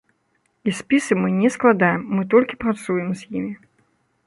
І спісы мы не складаем, мы толькі працуем з імі.